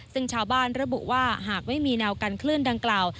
ซึ่งชาวบ้านระบุว่าหากไม่มีแนวกันคลื่นดังกล่าว